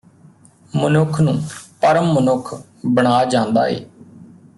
ਮਨੁੱਖ ਨੂੰ ਪਰਮ ਮਨੁੱਖ ਬਣਾ ਜਾਂਦਾ ਏ